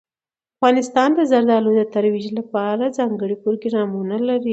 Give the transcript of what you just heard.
افغانستان د زردالو د ترویج لپاره ځانګړي پروګرامونه لري.